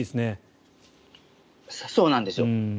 そうなんですよ。